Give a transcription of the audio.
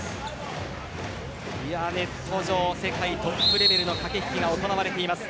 ネット上、世界トップレベルの駆け引きが行われています。